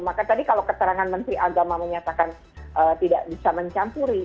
maka tadi kalau keterangan menteri agama menyatakan tidak bisa mencampuri